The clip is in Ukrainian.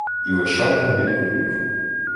І Вишата відповів: